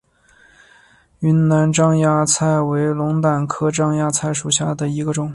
云南獐牙菜为龙胆科獐牙菜属下的一个种。